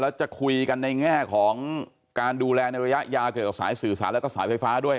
แล้วจะคุยกันในแง่ของการดูแลในระยะยาวเกี่ยวกับสายสื่อสารแล้วก็สายไฟฟ้าด้วย